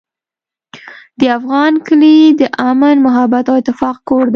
د افغان کلی د امن، محبت او اتفاق کور دی.